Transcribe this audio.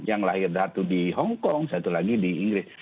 yang lahir satu di hongkong satu lagi di inggris